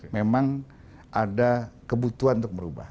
memang ada kebutuhan untuk merubah